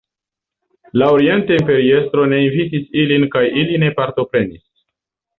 La orienta imperiestro ne invitis ilin kaj ili ne partoprenis.